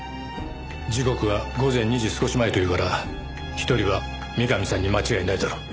時刻は午前２時少し前というから１人は三上さんに間違いないだろう。